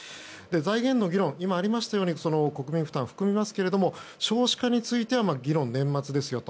財源の議論、今ありましたように国民負担含みますけども少子化については議論は年末ですよと。